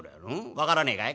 「分からねえかい？